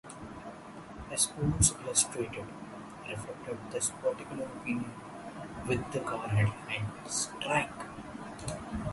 "Sports Illustrated" reflected this particular opinion with the cover headline "Strike!